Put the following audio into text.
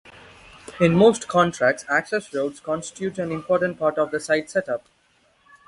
In most contracts access roads constitute an important part of the site set-up.